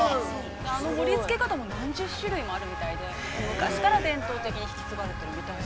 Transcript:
◆あの盛りつけ方も何十種類もあるみたいで、昔から伝統的に引き継がれているみたいです。